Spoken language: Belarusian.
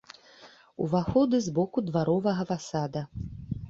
Уваходы з боку дваровага фасада.